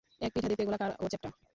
এই পিঠা দেখতে গোলাকার ও চ্যাপ্টা।